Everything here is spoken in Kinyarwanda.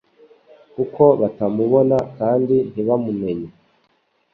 kuko batamubona kandi ntibammuenye.